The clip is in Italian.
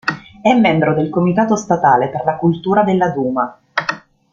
È membro del comitato statale per la cultura della Duma.